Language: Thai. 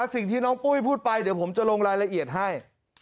สิ่งที่น้องปุ้ยพูดไปเดี๋ยวผมจะลงรายละเอียดให้